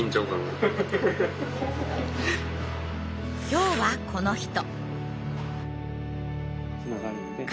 今日はこの人。